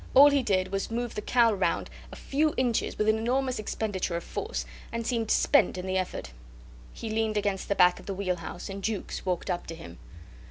All he did was to move the cowl round a few inches, with an enormous expenditure of force, and seemed spent in the effort. He leaned against the back of the wheelhouse, and Jukes walked up to him.